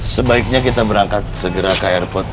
sebaiknya kita berangkat segera ke airport